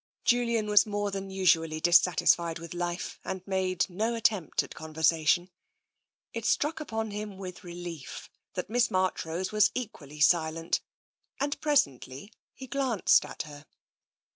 Julian was more than usually dissatisfied with life, and made no attempt at conversation. It struck upon him with relief that Miss Marchrose was equally silent, and presently he glanced at her.